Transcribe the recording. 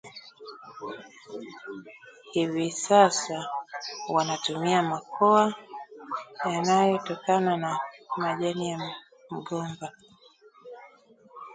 Hivi sasa wanatumia makowa yanayotokana na majani ya mgomba